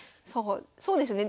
そうですね